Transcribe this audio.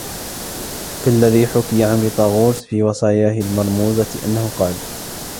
كَاَلَّذِي حُكِيَ عَنْ فِيثَاغُورْسَ فِي وَصَايَاهُ الْمَرْمُوزَةِ أَنَّهُ قَالَ